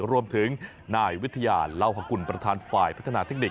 รวมถึงนายวิทยาเล่าฮกุลประธานฝ่ายพัฒนาเทคนิค